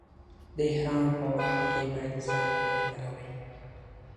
د احرام په وخت کې باید ځان و نه ګروئ.